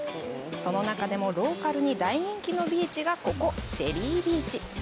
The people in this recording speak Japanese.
その中でもローカルに大人気のビーチがここ、シェリービーチ。